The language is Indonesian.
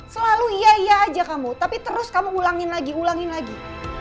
selalu iya iya aja kamu tapi terus kamu ulangin lagi ulangin lagi